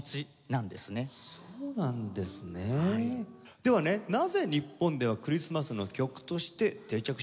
ではねなぜ日本ではクリスマスの曲として定着したんでしょうか？